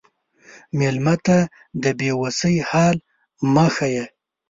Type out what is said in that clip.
مېلمه ته د بې وسی حال مه ښیه.